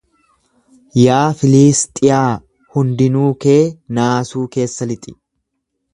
Yaa Filiisxiyaa hundinuu kee naasuu keessa lixi.